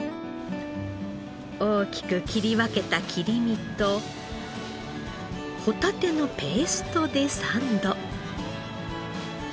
大きく切り分けた切り身とホタテのペーストでサンド。